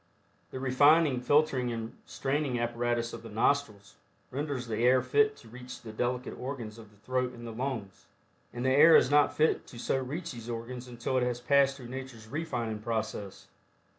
The refining, filtering and straining apparatus of the nostrils renders the air fit to reach the delicate organs of the throat and the lungs, and the air is not fit to so reach these organs until it has passed through nature's refining process.